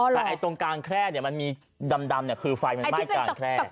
แต่ไอ้ตรงกลางแคร่เนี่ยมันมีดำเนี่ยคือไฟมันไหม้ตรงกลางแคร่